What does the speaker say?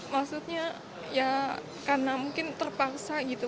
maksudnya ya karena mungkin terpaksa gitu